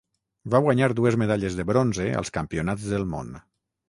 Va guanyar dues medalles de bronze als Campionats del món.